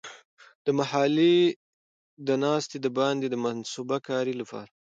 د محلي د ناستې د باندې د منصوبه کارۍ لپاره.